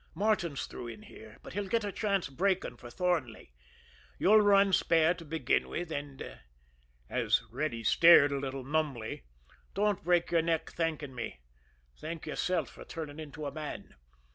Martin's through in here; but he'll get a chance braking for Thornley. You'll run spare to begin with, and" as Reddy stared a little numbly "don't break your neck thanking me. Thank yourself for turning into a man.